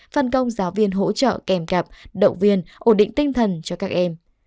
phân công giáo viên hỗ trợ kèm cặp động viên ổn định tinh thần cho các em